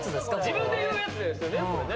自分で言うやつですよねこれね。